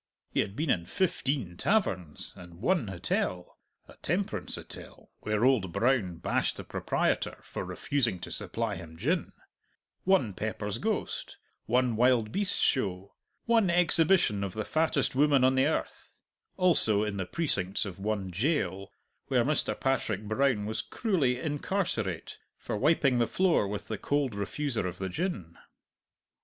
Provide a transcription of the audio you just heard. He had been in fifteen taverns, and one hotel (a temperance hotel, where old Brown bashed the proprietor for refusing to supply him gin); one Pepper's Ghost; one Wild Beasts' Show; one Exhibition of the Fattest Woman on the Earth; also in the precincts of one jail, where Mr. Patrick Brown was cruelly incarcerate for wiping the floor with the cold refuser of the gin.